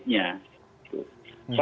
ini menjadi kuncinya itu